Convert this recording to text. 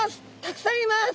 たくさんいます。